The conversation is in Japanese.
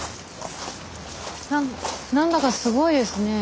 なんだかすごいですねえ